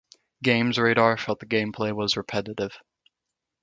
Gamesradar felt the gameplay was repetitive.